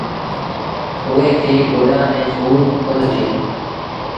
اُئي کي ڪوڏآن ميݩ سُور ڪوندو ٿئي۔